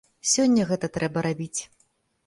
Сёння гэта трэба рабіць!